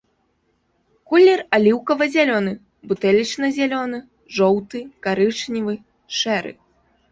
Колер аліўкава-зялёны, бутэлечна-зялёны, жоўты, карычневы, шэры.